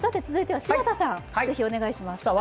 続いては柴田さんお願いします。